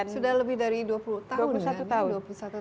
sudah lebih dari dua puluh tahun satu tahun